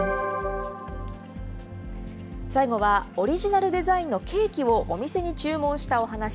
最後は、オリジナルデザインのケーキをお店に注文したお話。